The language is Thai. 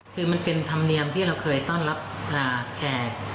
คือมันเป็นธรรมเนียมที่เราเคยต้อนรับแชร์